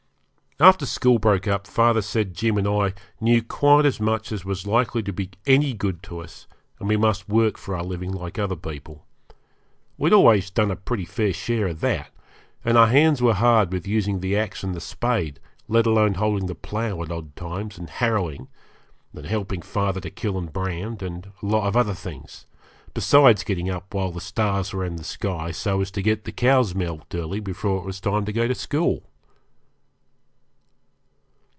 After school broke up father said Jim and I knew quite as much as was likely to be any good to us, and we must work for our living like other people. We'd always done a pretty fair share of that, and our hands were hard with using the axe and the spade, let alone holding the plough at odd times and harrowing, helping father to kill and brand, and a lot of other things, besides getting up while the stars were in the sky so as to get the cows milked early, before it was time to go to school.